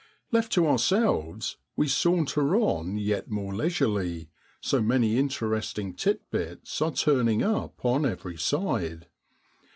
Left to ourselves, we saunter on yet more leisurely, so many interesting tit bits are turning up on every side.